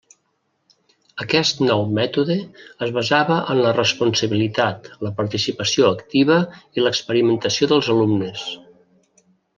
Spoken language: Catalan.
Aquest nou mètode es basava en la responsabilitat, la participació activa i l'experimentació dels alumnes.